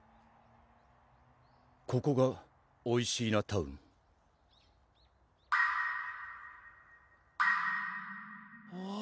ここがおいしーなタウンうわ